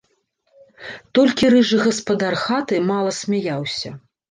Толькі рыжы гаспадар хаты мала смяяўся.